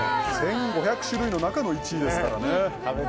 １５００種類の中の１位ですからね。